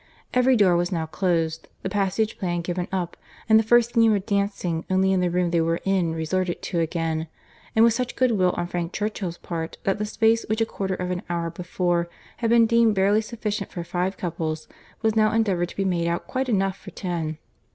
Every door was now closed, the passage plan given up, and the first scheme of dancing only in the room they were in resorted to again; and with such good will on Frank Churchill's part, that the space which a quarter of an hour before had been deemed barely sufficient for five couple, was now endeavoured to be made out quite enough for ten.